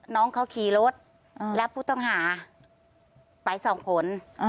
น้องเขาขี่รถและผู้ต้องหาไปสองคน